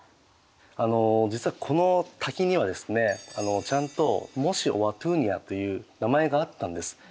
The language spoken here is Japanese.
あの実はこの滝にはですねちゃんとモーシ・オア・トゥーニャという名前があったんです。